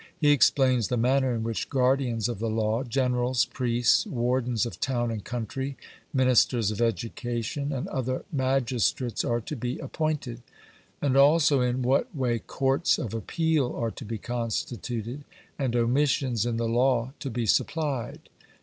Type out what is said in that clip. He explains the manner in which guardians of the law, generals, priests, wardens of town and country, ministers of education, and other magistrates are to be appointed; and also in what way courts of appeal are to be constituted, and omissions in the law to be supplied.